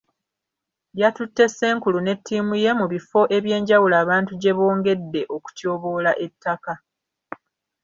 Yatutte Ssenkulu ne ttiimu ye mu bifo ebyenjawulo abantu gye bongedde okutyoboola ettaka.